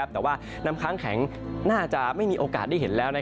แต่ว่าน้ำค้างแข็งน่าจะไม่มีโอกาสได้เห็นแล้ว